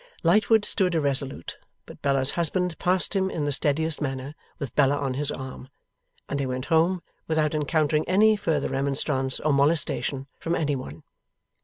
Lightwood stood irresolute, but Bella's husband passed him in the steadiest manner, with Bella on his arm; and they went home without encountering any further remonstrance or molestation from any one.